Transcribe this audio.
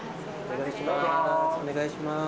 お願いします